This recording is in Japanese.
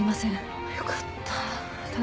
よかった。